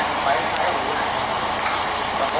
สวัสดีครับ